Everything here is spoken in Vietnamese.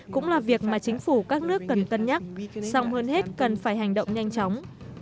cũng là việc mà chính phủ các nước cần cân nhắc song hơn hết cần phải hành động nhanh chóng